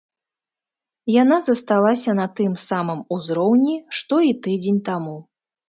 Яна засталася на тым самым узроўні, што і тыдзень таму.